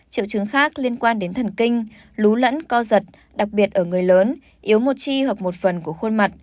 triệu chứng khác liên quan đến thần kinh lún lẫn co giật đặc biệt ở người lớn yếu một chi hoặc một phần của khuôn mặt